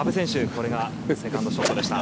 これがセカンドショットでした。